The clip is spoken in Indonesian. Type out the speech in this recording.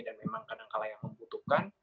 dan memang kadang kadang yang membutuhkan